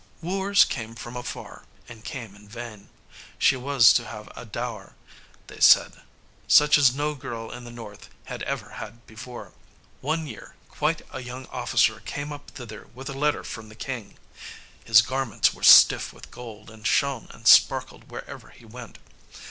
Wooers came from afar, and came in vain. She was to have a dower, they said, such as no girl in the North had ever had before. One year quite a young officer came up thither with a letter from the king. His garments were stiff with gold, and shone and sparkled wherever he went.